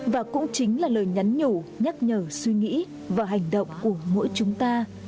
và cũng chính là lời nhắn nhủ nhắc nhở suy nghĩ và hành động của mỗi chúng ta